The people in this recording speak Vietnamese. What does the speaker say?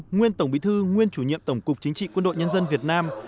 nguyên tổng bí thư nguyên chủ nhiệm tổng cục chính trị quân đội nhân dân việt nam